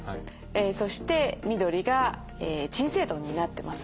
そして緑が鎮静度になってます。